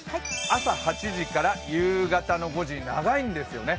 朝８時から夕方の５時、長いんですよね。